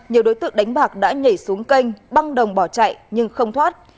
nhiều đối tượng đánh bạc đã nhảy xuống kênh băng đồng bỏ chạy nhưng không thoát